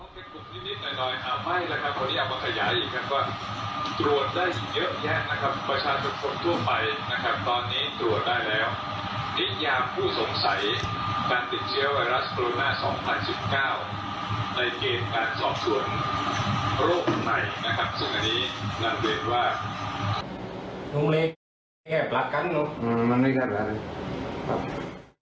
คุณผู้ชมไปดูภาพเหมือนในหนังเลย